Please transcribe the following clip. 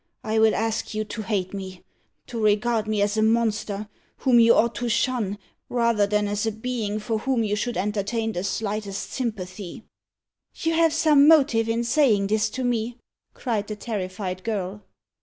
I will ask you to hate me to regard me as a monster whom you ought to shun rather than as a being for whom you should entertain the slightest sympathy." "You have some motive in saying this to me," cried the terrified girl.